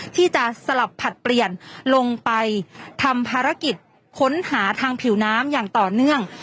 ที่จะสลับผลัดเปลี่ยนลงไปทำภารกิจค้นหาทางผิวน้ำอย่างต่อเนื่อง